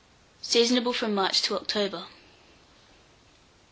Seasonable from March to October.